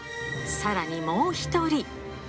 さらに、もう一人。